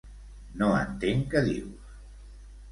No entenc què dius.